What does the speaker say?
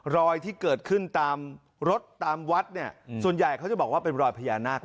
รอยที่เกิดขึ้นตามรถตามวัดเนี่ยส่วนใหญ่เขาจะบอกว่าเป็นรอยพญานาค